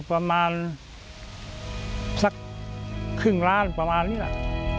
ประมาณสักครึ่งล้านประมาณนี้แหละ